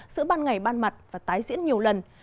giữa ban ngày ban mặt và tái diễn nhiều lần